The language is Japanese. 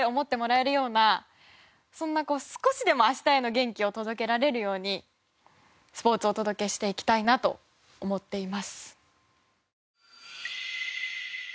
そんなこう少しでも明日への元気を届けられるようにスポーツをお届けしていきたいなと思っています。